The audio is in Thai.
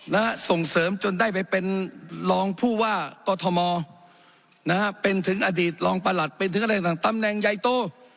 และส่งเสริมจนได้ไปเป็นรองผู้ว่ากอทมนะฮะเป็นถึงอดีตรองประหลัดเป็นถึงอะไรต่างตำแหน่งใหญ่โต